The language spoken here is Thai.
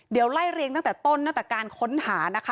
เดี๋ยวไล่เรียงตั้งแต่ต้นตั้งแต่การค้นหานะคะ